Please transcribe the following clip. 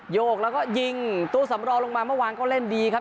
โยกแล้วก็ยิงตัวสำรองลงมาเมื่อวานก็เล่นดีครับ